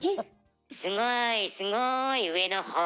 すごいすごい上のほう。